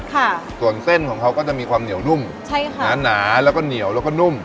ค่ะส่วนเส้นของเขาก็จะมีความเหนียวนุ่มใช่ค่ะหนาหนาแล้วก็เหนียวแล้วก็นุ่ม